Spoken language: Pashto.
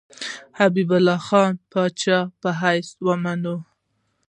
حبیب الله خان پاچا په حیث ومني.